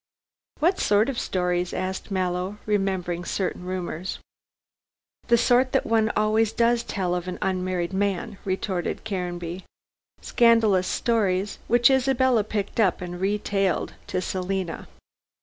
"What sort of stories?" asked Mallow, remembering certain rumors. "The sort that one always does tell of an unmarried man," retorted Caranby. "Scandalous stories, which Isabella picked up and retailed to Selina.